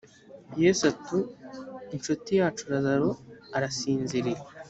yesu ati “incuti yacu lazaro arasinziriye”